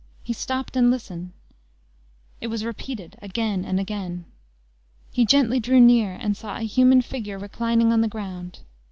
He stopped and listened: it was repeated again and again. He gently drew near, and saw a human figure reclining on the ground.